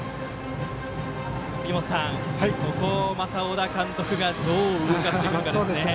杉本さん、ここをまた小田監督がどう動かしてくるかですね。